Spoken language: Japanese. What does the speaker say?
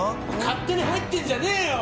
勝手に入ってんじゃねぇよ！